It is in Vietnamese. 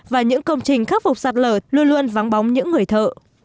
và những công trình khắc phục sạt lở luôn luôn vắng bóng những người thợ